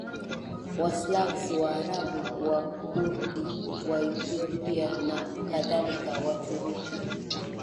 Waslavs Waarabu Wakurdi Waethiopia na kadhalika Waturuki